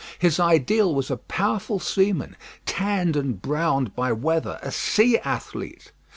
His ideal was a powerful seaman, tanned and browned by weather, a sea athlete.